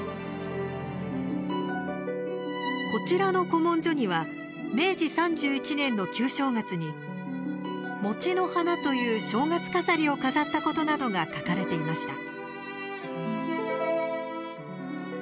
こちらの古文書には明治３１年の旧正月に餅の花という正月飾りを飾ったことなどが書かれていました。